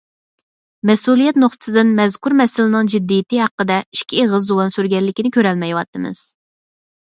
مەسئۇلىيەت نۇقتىسىدىن مەزكۇر مەسىلىنىڭ جىددىيىتى ھەققىدە ئىككى ئېغىز زۇۋان سۈرگەنلىكىنى كۆرەلمەيۋاتىمىز.